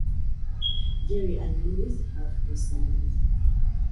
Jerry and Louise have two sons.